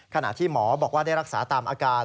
ขณะที่หมอบอกว่าได้รักษาตามอาการ